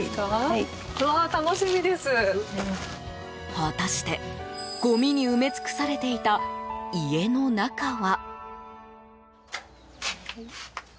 果たして、ごみに埋め尽くされていた家の中は。